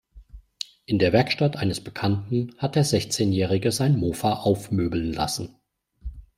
In der Werkstatt eines Bekannten hat der Sechzehnjährige sein Mofa aufmöbeln lassen.